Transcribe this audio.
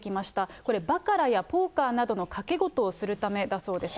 これ、バカラやポーカーなどの賭け事をするためだそうです。